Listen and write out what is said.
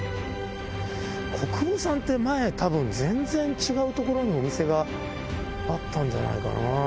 こくぼさんって、前、全然違う所にお店があったんじゃないかな。